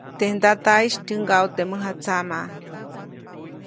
Teʼ ndataʼis tyäŋgaʼu teʼ mäjatsaʼmaʼ.